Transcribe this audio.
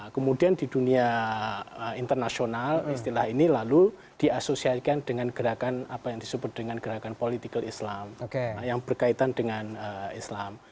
kemudian di dunia internasional istilah ini lalu diasosialikan dengan gerakan politik islam yang berkaitan dengan islam